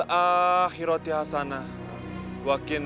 dan untuk dunia yang akhir